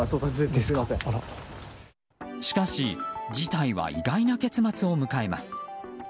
しかし、事態は意外な結末を迎えます。